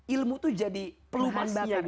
ilmu itu jadi pelumasnya